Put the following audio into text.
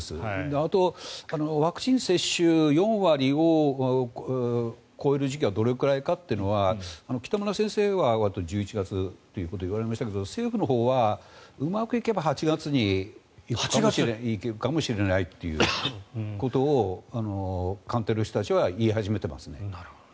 あとワクチン接種４割を超える時期はどれくらいかというのは北村先生は１１月ということを言われましたけど政府のほうは、うまくいけば８月にいけるかもしれないということを官邸の人たちは言い始めていますね。